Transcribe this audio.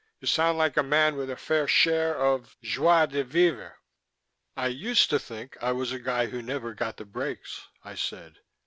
"You sound like a man with a fair share of joie de vivre." "I used to think I was a guy who never got the breaks," I said.